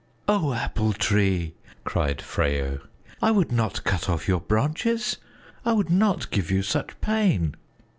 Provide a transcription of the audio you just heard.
"Oh, Apple Tree!" cried Freyo. "I would not cut off your branches! I would not give you such pain."